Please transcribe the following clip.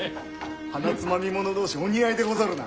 鼻つまみ者同士お似合いでござるな。